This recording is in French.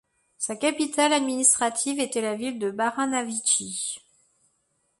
Sa capitale administrative était la ville de Baranavitchy.